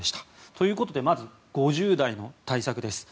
ということでまず５０代の対策です。